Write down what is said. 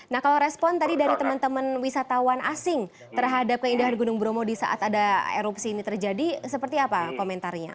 nah kalau respon tadi dari teman teman wisatawan asing terhadap keindahan gunung bromo di saat ada erupsi ini terjadi seperti apa komentarnya